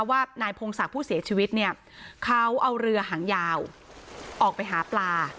ว่านายพงศักดิ์ผู้เสียชีวิตเนี่ยเขาเอาเรือหางยาวออกไปหาปลา